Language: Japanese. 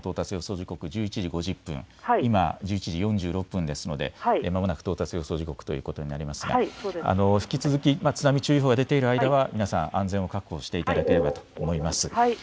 時刻１１時５０分、今１１時４６分ですのでまもなく到達予想時刻ということになりますが、引き続き津波注意報が出ている間は皆さん、安全を確保していただければと思います。